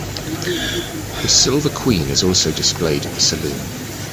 The "Silver Queen" is also displayed at the saloon.